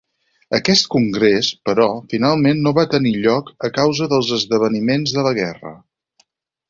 Aquest congrés, però, finalment no va tenir lloc a causa dels esdeveniments de la guerra.